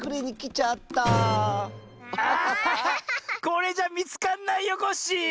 これじゃみつかんないよコッシー！